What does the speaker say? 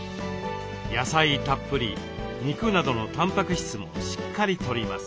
野菜たっぷり肉などのタンパク質もしっかりとります。